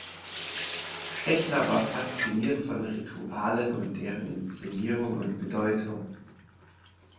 Schechner war fasziniert von Ritualen und deren Inszenierung und Bedeutung.